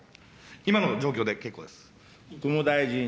今の状況で結構です。